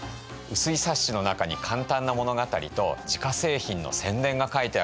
薄い冊子の中に簡単な物語と自家製品の宣伝が書いてあるんです。